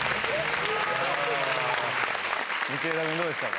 道枝君、どうでしたか？